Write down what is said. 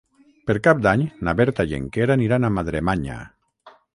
Per Cap d'Any na Berta i en Quer aniran a Madremanya.